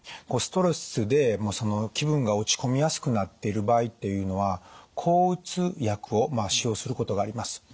ストレスで気分が落ち込みやすくなっている場合というのは抗うつ薬を使用することがあります。